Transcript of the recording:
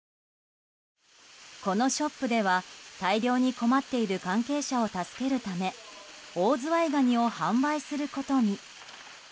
このショップでは大漁に困っている関係者を助けるためオオズワイガニを販売することに。